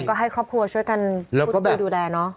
ก็ให้ครอบครัวช่วยกันพูดคุยดูแลเนอะ